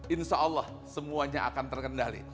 insyaallah semuanya akan terkendali